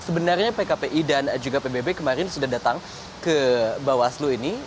sebenarnya pkpi dan juga pbb kemarin sudah datang ke bawaslu ini